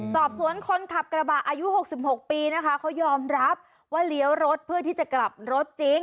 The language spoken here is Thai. สอบสวนคนขับกระบะอายุ๖ปีเขายอมรับว่าเหลียวรถเพื่อที่จะขับรถจริง